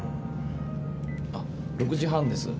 あっ６時半です。